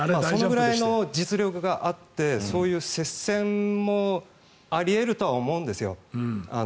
そのぐらいの実力があってそういう接戦もあり得ると思うんですよ。